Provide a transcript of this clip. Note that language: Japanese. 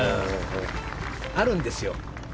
あるんですよ。